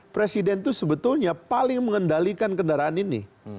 presiden itu sebetulnya paling mengendalikan kendaraan ini